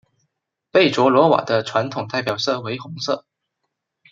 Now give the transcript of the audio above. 贝卓罗瓦的传统代表色为红色。